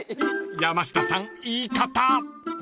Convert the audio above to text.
［山下さん言い方］